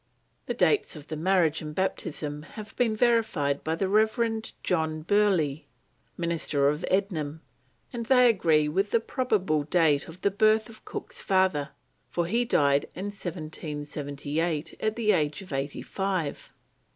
The dates of the marriage and baptism have been verified by the Reverend John Burleigh, minister of Ednam, and they agree with the probable date of the birth of Cook's father, for he died in 1778 at the age of eighty five.